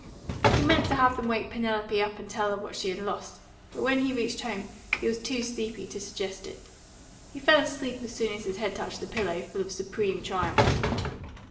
He meant to have them wake Penelope up and tell her what she had lost; but when he reached home he was too sleepy to suggest it. He fell asleep as soon as his head touched the pillow, full of supreme triumph.